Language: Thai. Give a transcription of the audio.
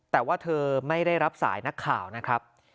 แต่ว่าเธอไม่ได้รับสายนักข่าวนะครับ